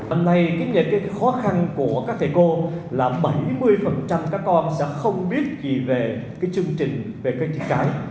hôm nay cái khó khăn của các thầy cô là bảy mươi các con sẽ không biết gì về cái chương trình về cái triển khai